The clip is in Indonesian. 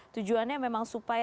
tujuannya memang supaya